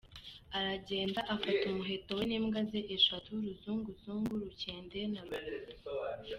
Aragenda afata umuheto we n’imbwa ze eshatu: Ruzunguzungu, Rukende na Ruguma.